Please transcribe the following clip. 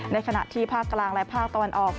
ในขณะที่ภาคกลางและภาคตะวันออก